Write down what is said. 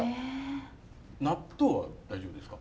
納豆は大丈夫ですか？